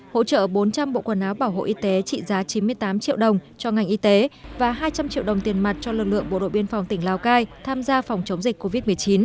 hỗ trợ bốn trăm linh bộ quần áo bảo hộ y tế trị giá chín mươi tám triệu đồng cho ngành y tế và hai trăm linh triệu đồng tiền mặt cho lực lượng bộ đội biên phòng tỉnh lào cai tham gia phòng chống dịch covid một mươi chín